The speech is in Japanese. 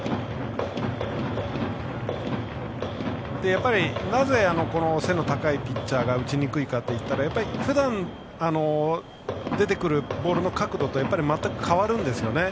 やっぱりなぜこの背の高いピッチャーが打ちにくいかというとふだん出てくるボールの角度と全く変わるんですよね。